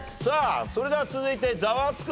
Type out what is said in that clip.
それでは続いてザワつく！